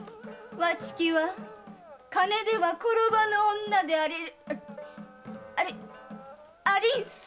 わちきは金では転ばぬ女でありあり。ありんす。